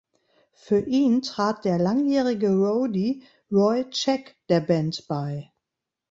Für ihn trat der langjährige Roadie Roy Check der Band bei.